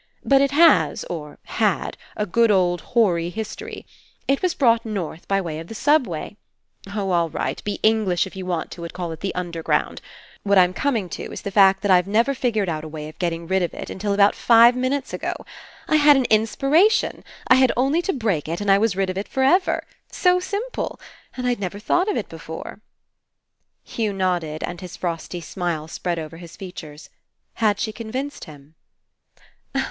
But It has, or had, a good old hoary history. It was brought North by way of the subway. Oh, all right ! Be English if you want to and call It the underground. What I'm com ing to is the fact that I've never figured out a way of getting rid of It until about five minutes ago. I had an inspiration. I had only to break it, and I was rid of it for ever. So simple ! And I'd never thought of it before." Hugh nodded and his frosty smile spread over his features. Had she convinced him?